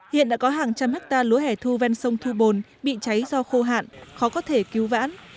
hiện đã có hàng trăm hectare lúa hẻ thu ven sông thu bồn bị cháy do khô hạn khó có thể cứu vãn